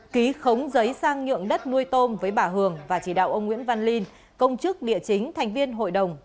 ký khống giấy sang nhượng đất nuôi tôm với bà hường và chỉ đạo ông nguyễn văn linh công chức địa chính thành viên hội đồng